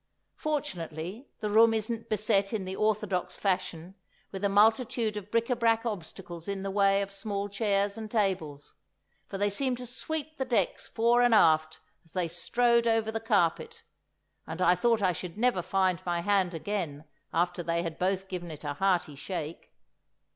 Fortunately the room isn't beset in the orthodox fashion with a multitude of bric à brac obstacles in the way of small chairs and tables, for they seemed to sweep the decks fore and aft as they strode over the carpet, and I thought I should never find my hand again after they had both given it a hearty shake.